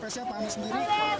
belum belum pernah ada tentu